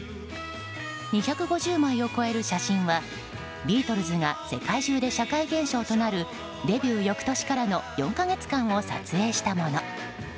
２５０枚を超える写真はビートルズが世界中で社会現象となるデビュー翌年からの４か月間を撮影したもの。